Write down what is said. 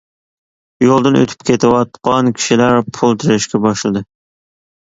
يولدىن ئۆتۈپ كېتىۋاتقان كىشىلەر پۇل تېرىشكە باشلىدى.